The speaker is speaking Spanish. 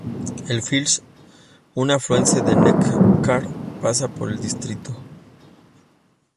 El Fils, un afluente del Neckar, pasa por el distrito.